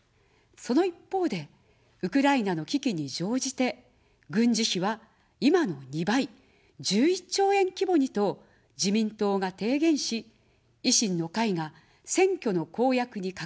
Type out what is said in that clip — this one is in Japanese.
その一方で、ウクライナの危機に乗じて、軍事費は今の２倍、１１兆円規模にと自民党が提言し、維新の会が選挙の公約に掲げてあおっています。